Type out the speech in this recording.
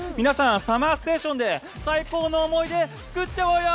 ＳＵＭＭＥＲＳＴＡＴＩＯＮで最高の思い出作っちゃおうよ！